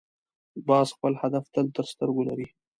باز خپل هدف تل تر سترګو لري